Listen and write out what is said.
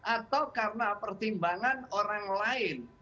atau karena pertimbangan orang lain